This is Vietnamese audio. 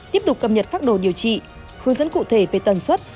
tiếp tục cập nhật pháp đồ điều trị hướng dẫn cụ thể về tần suất